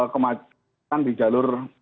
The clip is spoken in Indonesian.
kemajuan di jalur